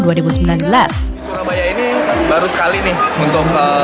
di surabaya ini baru sekali nih untuk